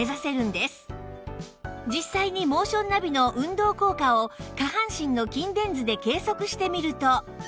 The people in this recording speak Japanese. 実際にモーションナビの運動効果を下半身の筋電図で計測してみると